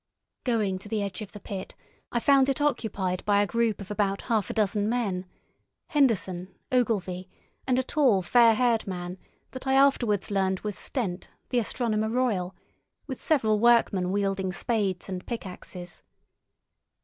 Going to the edge of the pit, I found it occupied by a group of about half a dozen men—Henderson, Ogilvy, and a tall, fair haired man that I afterwards learned was Stent, the Astronomer Royal, with several workmen wielding spades and pickaxes.